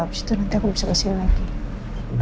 abis itu nanti aku bisa kasih lagi